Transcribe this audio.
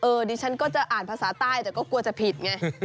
ดิฉันก็จะอ่านภาษาใต้แต่ก็กลัวจะผิดไง